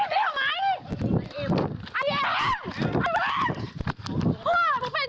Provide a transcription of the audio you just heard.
อีสเห็นไหม